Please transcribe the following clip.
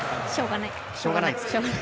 しょうがないです。